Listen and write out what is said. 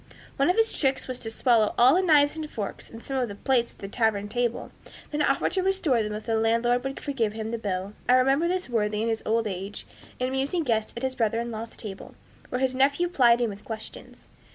One of his tricks was to swallow all the knives and forks and some of the plates at the tavern table, and then offer to restore them if the landlord would forgive him the bill. I remember this worthy in his old age, an amusing guest at his brother in law's table, where his nephew plied him with questions.